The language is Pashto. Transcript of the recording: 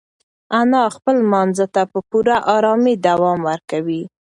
انا خپل لمانځه ته په پوره ارامۍ دوام ورکوي.